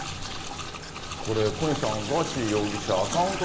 これ、小西さん、ガーシー容疑者、アカウント